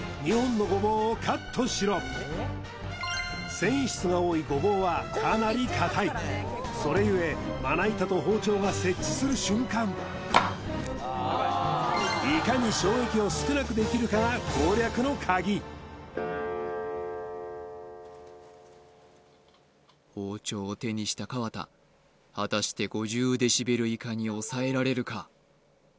繊維質が多いゴボウはかなり硬いそれゆえまな板と包丁が接地する瞬間いかに衝撃を少なくできるかが攻略の鍵包丁を手にした河田果たして５０デシベル以下に抑えられるか？